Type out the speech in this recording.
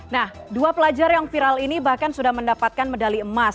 nah dua pelajar yang viral ini bahkan sudah mendapatkan medali emas